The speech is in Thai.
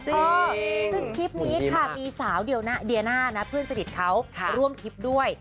ซึ่งคลิปนี้ค่ะมีสาวเดียวนะเดียน่านะเพื่อนสนิทเขาร่วมทริปด้วย